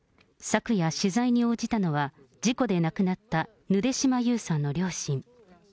昨夜、取材に応じたのは、事故で亡くなったぬで島優さんの両親。